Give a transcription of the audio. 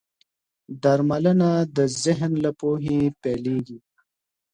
درملنه د ذهن له پوهې پيلېږي.